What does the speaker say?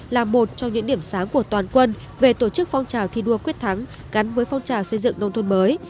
là một trong những điểm sáng của toàn quân về tổ chức phong trào thi đua quyết thắng gắn với phong trào xây dựng nông thôn mới